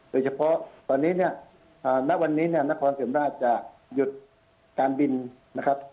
โดยเฉพาะในนี้ณวันนี้นครเศรียมราชจะหยุดการบินนะครับ